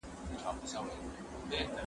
زه اوږده وخت سبا ته فکر کوم؟